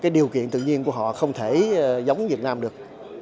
điều kiện tự nhiên của họ không thể giống việt nam được